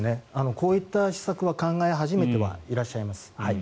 こういった施策は考え始めてはいらっしゃいます。